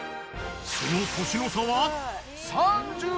その年の差は。